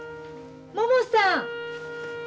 ももさん！